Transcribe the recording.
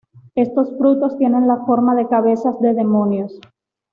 Estos frutos tienen la forma de cabezas de demonios.